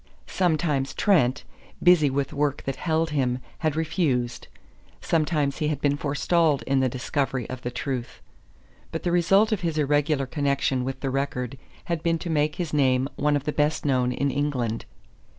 Sometimes Trent, busy with work that held him, had refused; sometimes he had been forestalled in the discovery of the truth. But the result of his irregular connection with the Record had been to make his name one of the best known in England.